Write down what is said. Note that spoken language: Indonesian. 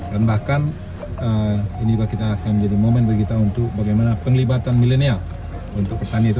dan bahkan ini akan menjadi momen bagi kita untuk bagaimana penglibatan milenial untuk pertanian itu